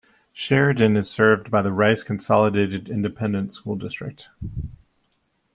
Sheridan is served by the Rice Consolidated Independent School District.